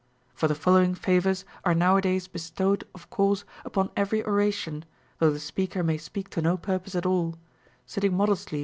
For the following favors are nowa days bestowed of course upon every oration, though the speaker may speak to no purpose at all, — sitting modestly * Plato, Republic, V.